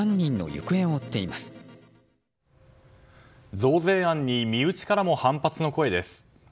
増税案に身内からも反発の声です。